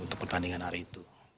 untuk pertandingan hari itu